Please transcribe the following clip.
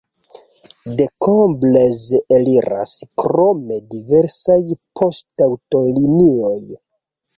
De Koblenz eliras krome diversaj poŝtaŭtolinioj.